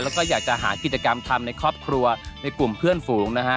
แล้วก็อยากจะหากิจกรรมทำในครอบครัวในกลุ่มเพื่อนฝูงนะฮะ